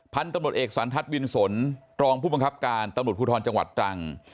พันธุ์ตำรวจเอกสันทัศน์วินสนรองผู้บังคับการตำรวจภูทรจังหวัดตรัง